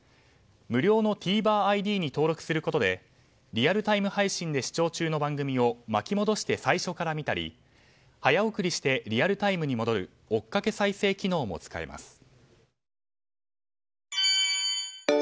無料のＴＶｅｒＩＤに登録することでリアルタイム配信で視聴中の番組を巻き戻して最初から見たり早送りしてリアルタイムに戻る追っかけ再生機能も使えます。